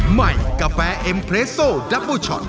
ใหม่กาแฟเอ็มเรสโซดับเบอร์ช็อต